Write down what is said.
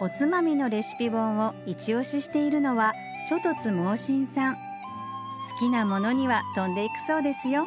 おつまみのレシピ本をいち押ししているのは猪突猛進さん好きなものには飛んで行くそうですよ